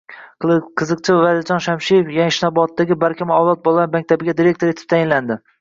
Qiziqchi Valijon Shamshiyev Yashnoboddagi Barkamol avlod bolalar maktabiga direktor etib tayinlandi